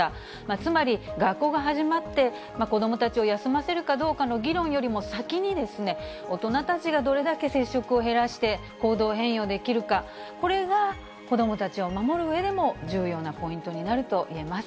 つまり学校が始まって、子どもたちを休ませるかどうかの議論よりも先に、大人たちがどれだけ接触を減らして行動変容できるか、これが子どもたちを守るうえでも重要なポイントになるといえます。